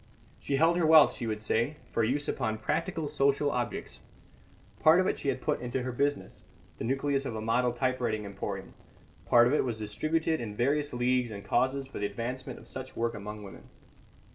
She held her wealth, she would say, for use upon practical social objects. Part of it she had put into her business, the nucleus of a model typewriting emporium; part of it was distributed in various leagues and causes for the advancement of such work among women.